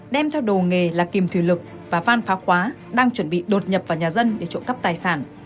đem theo đồ nghề là kìm thủy lực và van phá khóa đang chuẩn bị đột nhập vào nhà dân để trộm cắp tài sản